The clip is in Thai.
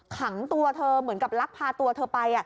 ขังตัวเธอเหมือนกับลักพาตัวเธอไป